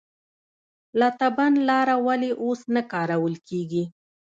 لاتابند لاره ولې اوس نه کارول کیږي؟